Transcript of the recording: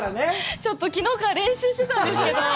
ちょっときのうから練習してたんですけど。